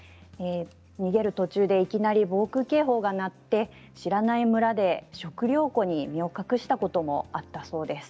逃げる途中で、いきなり防空警報が鳴って知らない村で食糧庫に身を隠したこともあったそうです。